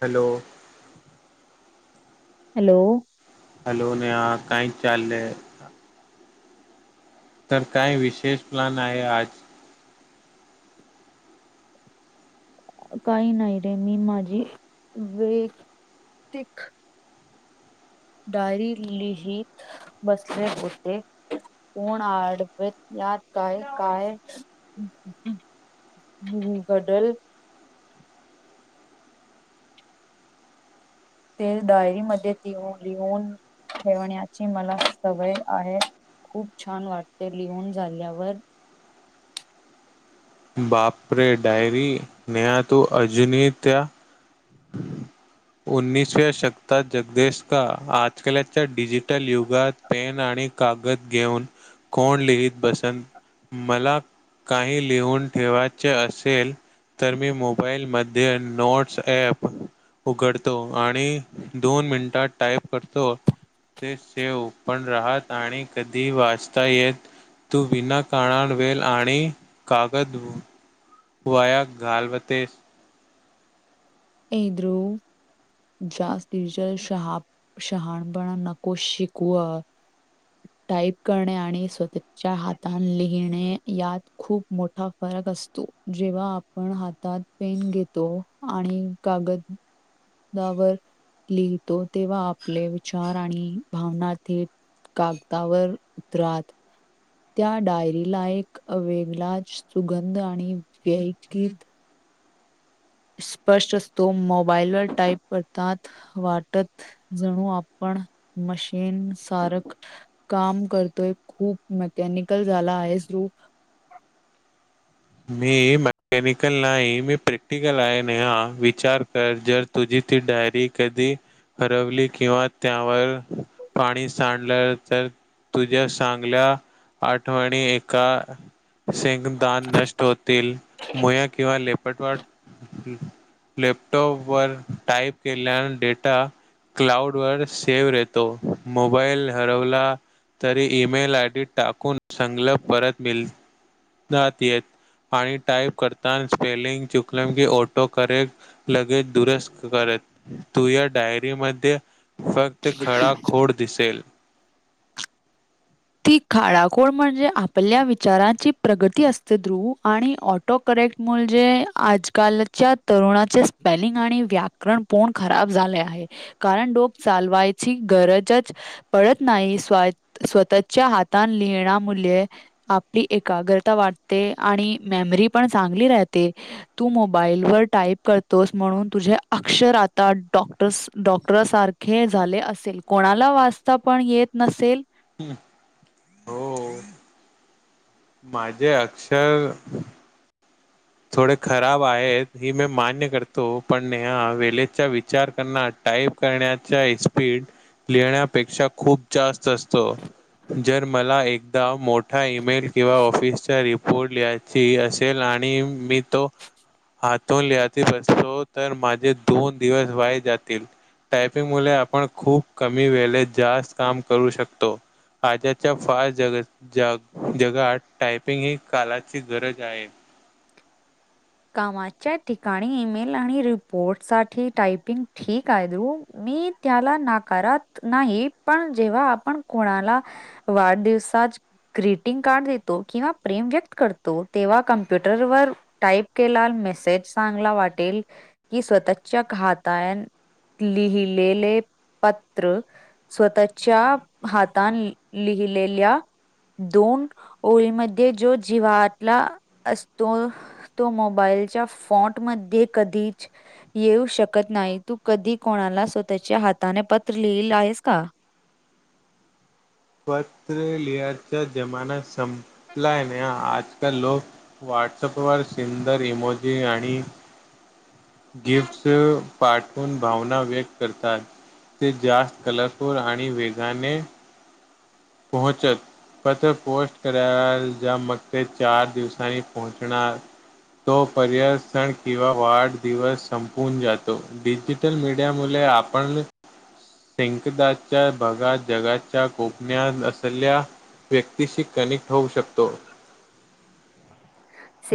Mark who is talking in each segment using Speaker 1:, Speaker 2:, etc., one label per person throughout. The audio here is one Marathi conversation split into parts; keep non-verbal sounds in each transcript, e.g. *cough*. Speaker 1: हॅलो
Speaker 2: हॅलो
Speaker 1: हॅलो न ह काय चालले तर काय विशेष प्लन आहे आज
Speaker 2: काही नाही रे मी माझी वतिक डायरी लिहित बसले होते कोण आडवेत यात काय काय हम्म गडल ते डायरीमध्येध्ये त लिहून ठेवण्याची मला सवय आहे खूप छान वाटते लिहून झाल्यावर
Speaker 1: बापरे डायरी नेहा तू अजनी त्या उसव्या शतकात जगदीेश का आजकालच्या डिजिटल युगात पेन आणि कागद घेऊन कोण लिहित बसंत मला काही लिहून ठेवायचे असेल तर मी मोबाईलमध्ये नोट्स ऍप उघडतो आणि दोन मिनिटात टाईप करतो ते सेव पण राहात आणि कधी वाचता येत तू विना काणा वेल आणि कागद वया गालवते
Speaker 2: एक्रू जात डिजिटल शहाणपण नको शिकव
Speaker 1: ह
Speaker 2: टाईप करणे आणि स्वतःच्या हातान लिहिणे यात खूप मोठा फरक असतो जेव्हा आपण हातात पेन घेतो आणि कागद दावर लिहितो तेव्हा आपले विचार आणि भावना थ कागदावर उतरात त्या डायरीला एकवेेगळाच सुगंध आणि व्यगत
Speaker 1: ह
Speaker 2: स्पष्ट असतो मोबाईलवरर टाईप करतात वाटत जणू आपण मशीन सारक काम करतोय खूप मेकॅनिकल झाला आहेू
Speaker 1: गरमम मी मकॅनिकल नाही मी प्रॅक्टिकल आहे नहा विचार कर जर तुझी डायरी कधी हरवली किंवा त्यावर पाणी सांडलं तर तुझ्या चांगल्या आठवणी एका शेंगदान न मोया किंवा लेपटवा लॅपटॉप वर टाईप केल्यान डेटा क्लाउड वर सेव्ह राेतो मोबाईल हरवला तरी ईमेल आय डी टाकून संगलप परत मिळतात येत आणि टाइप करता स्पेलिंग चुकलम की ऑटो करे लगेच दुरुस्त करे तू या डायरी म फक्त खड खोड दिसेल
Speaker 2: ती खाळाखोळ म्हणजे आपल्या विचारांची प्रगती असते ध्रुव आणि ऑटो णे आजकालच्या तरुणाचे स्पेलिंग आणि व्याणण खराब झा कारण डोक चालवाची गरजच पडत नाही स्वतः च्या हात लिहिण्या मु आपली एकाग्रता वाटते आणि मेमरी पण सांग व ट करोस म्हणून अ डॉक्टर सारखे झाले असे कोणाला वाचता पण येत नसेल
Speaker 1: हम्म माझे अक्षर थोडे खराब आहेत ही मी मान्य करतो पण न वेळेचा विचार करना टाईप करण्याचा स्पीड लिण्यापेक्षा खूप जास्त असतो जर मला एकदा मोठ मो ईमेल किंवा ऑफिसचा रिपोर्ट लियची असेल आणि मी तो हातून लिही बसतो तर माझे दोन दिवस वाय जातील टायपिंग मु आपण खूप कमी वेेत जास्त काम करू शकतो आजच्या फार जग जगात टायपिंग ही कालाची गरज आहे ह
Speaker 2: कामाच्या ठिकाणी ईमेल आणि रिपोर्ट साठी टायपिंग ठीक आहे रु मी त्याला नाकारत नाही पण जेव्हा आपण कोणाला वाढदवसात कार दो किंवा प्रेम व्यक्त करतो तेव्हा कमप्युटर व टाप केला मेसेज चांगला वाटेल की स्वतःच्या खात लिहीलेले पत्र स्वतःच्या हातान लिहिलेल्या दोन ओळीमध्ये जो जिवातला असतो तो मोबाईलच्या फॉंट म कधीच येऊ शकत नाही तू कधी कोणाला मला स्वतःच्या हाताने पत्र लिहिल आहेस का?
Speaker 1: पत्र लिहायचा जमाना संपलाय न आजकाल लोक वा व्हॉट्सअपवर सुंदर इमोजी आणि गिफ्टस पाठवून भावना व्यक्त करतात. ते जास्त कलासूर आणि वेगाने पोहचत. पत्र पोस्ट करा जा मग ते चार दिवसांनी पोहोचणार. तोपर्यंत सण किंवा वाढदिवस संपून जातो डिजिटल मीडिया मुले आपण सेंकदाच्या भगात जगाच्या को ज्ञान असलेल्या व्यक्तीशी कनेक्ट होऊ शकतो.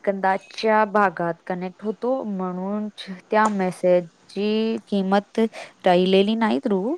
Speaker 2: सेकंदाच्या भागात कनेक्ट होतो म्हणून त्या मेसेज कि किंमत राहिलेली नाहीत रु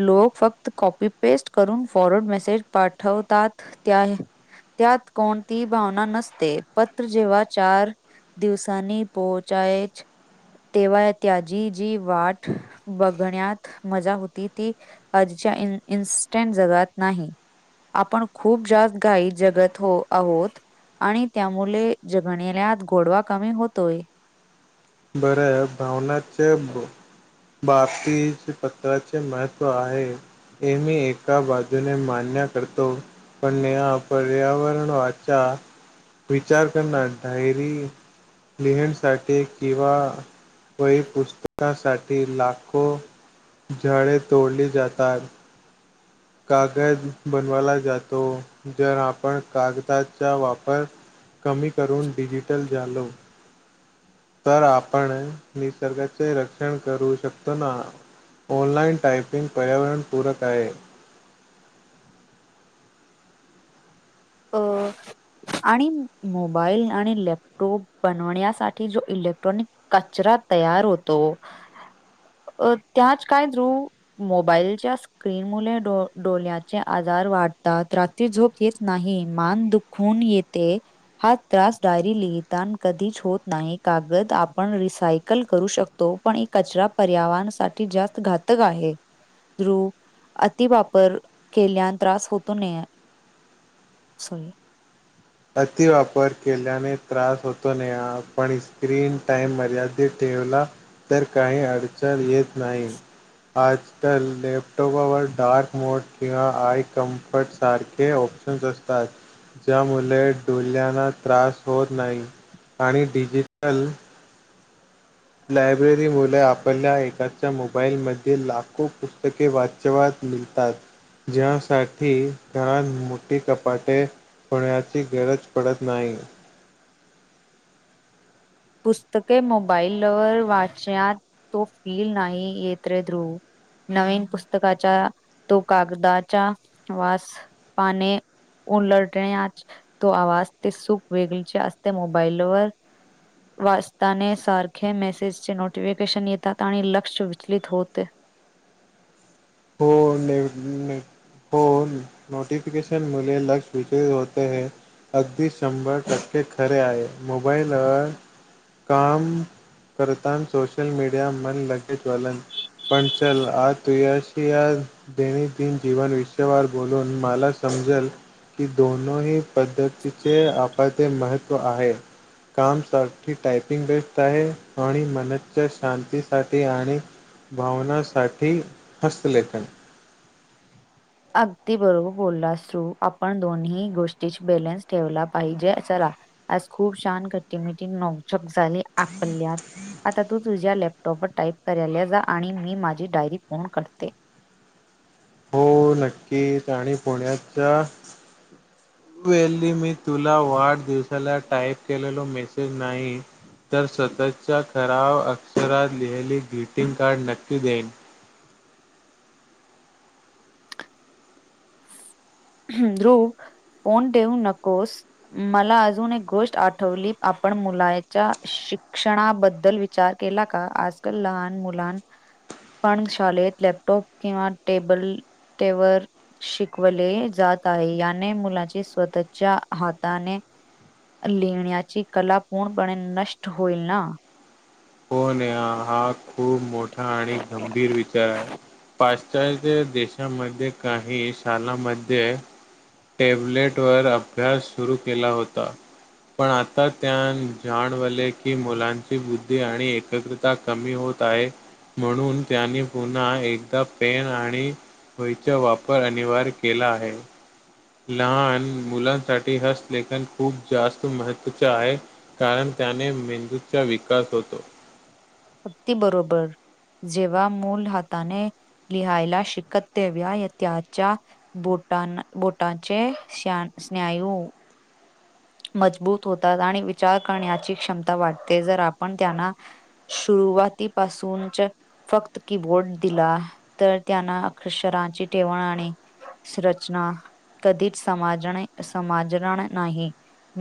Speaker 2: लोक फक्त कॉपी पेस्ट करून फॉरवर्ड मेसेज पाठवतात त्या त्यात कोणती भावना नसते. पत्र जेव्हा चार दिवसाांनी पोहोचायचं तेव्हा त्याची जी वाट बघण्यात मजा होती ती आज इन इन्स्टंट जगात नाही. आपण खूप जास्त घाई जगत हो आहोत आणि त्यामुळे जगण्येल्यात गोडवा कमी होतोय.
Speaker 1: बरं भावनाच्या बाबतीत पत्राचे महत्त्व आहे हे मी एका बाजूने मांडण्या तो पण या पर्यावरण वाचा विचार करणार डायरी लिहण्यासाठी किंवा वही पुस्तकासाठी लाखो झाडे तोडली जातात. कागद बनवाला जातो जर आपण कागदाचा वापर कमी करून डिजिटल झालो तर आपण निसर्गाचे रक्षण करू शकतो ना? ऑनलाइन टायपिंग पर्यावरणपूरक आहे.
Speaker 2: अ आणि मोबाईल आणि लॅपटॉप बनवण्यासाठी जो इलेक्ट्रॉनिक कचरा तयार होतो त्याच का धृ मोबाइलच्या स्क्रीन मुले डोल्याचे आजा वाढतात रात्री झोप येत नाही मान दुखून येते हा त्रास डायरी लिहितानं कधीच होत नाही. कागद आपण रिसायकल करू शकतो पण हे कचरा पर्यावरणासाठी जास्त घातक आहे. ध्रुव अतिवापर केल्यानं त्रास होतो न सॉरी.
Speaker 1: अतिवापर केल्याने त्रास होतो नेहा पण स्क्रीन टाइम मर्यादित ठेवला तर काही अडचण येत नाही. आजकाल लॅपटॉपावर डार्क मोड किंवा आय कम्फर्ट सारखे ऑप्शन असतात ज्यामुळे डोळ्याला त्रास होत नाही आणि डिजिटल लायब्ररीमुले आपल्या एकाच्या मोबाईलमध्ये लाखो पुस्तके वाचवा मिळतात ज्यासाठी घरात मोठी कपाटे होण्याची गरज पडत नाही.
Speaker 2: पुस्तके मोबाईलवर वाचण्यात तो फील नाही येत रे ध्रुव नवीन पुस्तकाच्या तो कागदाच्या वास पाने उलटण्यात तो आवाज ते सुख वेगळीचे असते मोबाईलवर वाचतानेसारखे मेसेजचे नोटिफिकेशन येतात आणि लक्ष विचलित होते
Speaker 1: हो नाही नाही हो नोटिफिकेशन मुले लक्ष विचलित होते है अगदी शंभर टक्के खरे आहे मोबाईल काम, करताना सोशल मीडिया मन लगेच वलन पण चल आ तू यश, या दैनंदिन जीवन विश्वार बोलून मला समजल कि दोनोही पद्धतीचे आप ते महत्त्व आहे काम सा टायपिंग बेस्ट आहे आणि मनच्या शांतीसाठी आणि भावनासाठी हस्तलेखन.
Speaker 2: अगदी बरोबर बोललास्रू आपण दोन्ही गोष्टी बॅलन्स ठेवला पाहिजे, आज खूप छान घट्टीमटी नौचक झाली आपल्यात, आता तू तुझ्या लॅपटॉपवर टाइप करायला जा आणि मी माझी डायरी फोन काढते
Speaker 1: हो नक्कीच आणि पुण्याचा वेल्ली मी तुला वाढदिवसाला टाईप केलेलो मेसेज नाही तर स्वतःच्या खराव अक्षरात लिहिली ग्रीटिंग कार्ड नक्की देईन
Speaker 2: हम्म ध्रुव फोन ठेऊ नकोस मला अजून एक गोष्ट आठवली आपण मुलाच्या शिक्षणाबद्दल विचार केला का आजकाल लहान मुलांना पण शाळेत लॅपटॉप किंवा टेबल तेवर शिकवले जात आहे याने मुलाचे स्वतःच्या हाताने लिहिण्याचं कला पूर्णपणे नष्ट होईल ना
Speaker 1: हो नेहा खूप मोठा आणि गंभीर विचार आहे पा देशामध्ये काही शालामध्ये टॅब्लेटवरर अभ्यास सुरू केला होता पण आता त्या जाणवले की मुलांची बुद्धी आणि एकग्रता कमी होत आहे म्हणून त्यांनी पुन्हा एकदा पेन आणि होयचा वापर अनिवार्य केला आहे लहान मुलांसाठी हस्तलेखन खूप जास्त महत्वाचे आहे कारण त्याने मेंदूचा विकास होतो
Speaker 2: अगदी बरोबर जेव्हा मूल हाताने लिहायला शिकत देव्या त्याच्या बोट *unintelligible* बोटाचे स्न-स्नायू मजबूत होतात आणि विचार करण्याची क्षमता वाटते जर आपण त्यांना शु सुरुवातीपासूनच फक्त कीबोर्ड दिला तर त्यांना अक्षरांची ठेवण आणि रचना कधीच समाजणे-समजणार नाही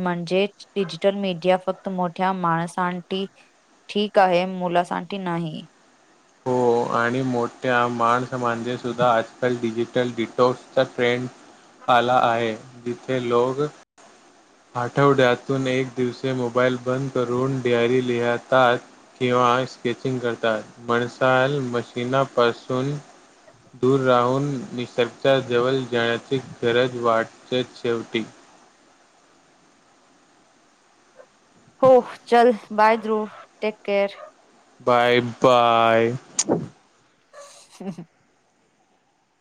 Speaker 2: म्हणजे डिजिटल मीडिया फक्त मोठ्या माणसां ठीक आहे मुलांसाठी नाही
Speaker 1: हो आणि मोठ्या माणस म्हणजे सुद्धा आजकाल डिजिटल डिटॉक्चा ट्रेंड आला आहे जिथे लोग आठवड्यातून एक दिवस मोबाईल बंद करून डेअरी लिहतात किंवा ह स्केचिंग करतात म्हणसाल मशीना पासून दूर राहून चर्चा जवळ जाण्याची गरज वाटते शेवटी
Speaker 2: हो चल bye Dhruv take care
Speaker 1: bye bye
Speaker 2: ह